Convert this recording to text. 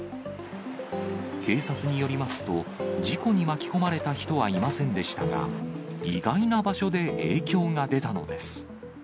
警察によりますと、事故に巻き込まれた人はいませんでしたが、意外な場所で影響が出たのです。